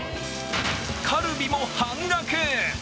カルビも半額。